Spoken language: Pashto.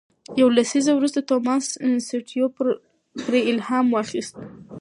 یو لسیزه وروسته توماس سټيونز پرې الهام واخیست.